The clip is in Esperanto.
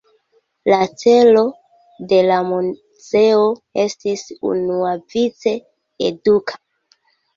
La celo de la muzeo estis unuavice eduka.